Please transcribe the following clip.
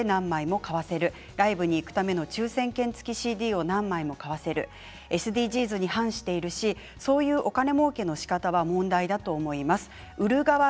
ほぼ同じ内容のＣＤをＡタイプＢタイプに分けて、何枚も買わせるライブに行くための抽せん券付きＣＤを何枚も買わせるＳＤＧｓに反しているしそういうお金もうけのしかたは問題だと思います。